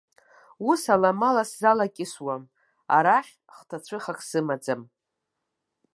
Ус аламала сзалакьысуам, арахь хҭацәыхак сымаӡам.